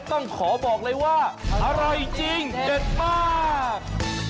ต้องขอบอกเลยว่าอร่อยจริงเด็ดมาก